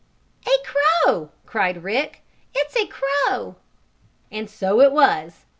"A crow!" cried Rick. "It's a crow!" And so it was.